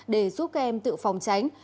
để giúp kem tự phòng tránh